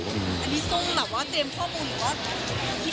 อันนี้ทรงแบบว่าเตรียมข้อมูลหรือว่า